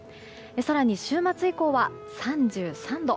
更に週末以降は３３度。